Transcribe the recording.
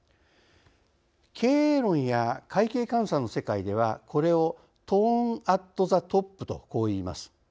経営論や会計監査の世界ではこれをトーン・アット・ザ・トップとこう言います。